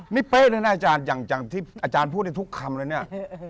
นี่เป๊ะเลยนะอาจารย์อย่างที่อาจารย์พูดได้ทุกคำแล้วเนี่ย